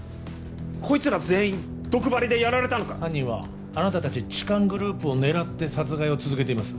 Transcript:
こいつら全員毒針でやられたのか犯人はあなたたち痴漢グループを狙って殺害を続けています